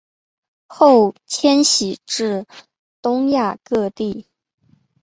后迁徙至东亚各地。